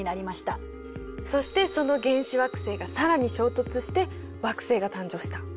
そしてその原始惑星が更に衝突して惑星が誕生した。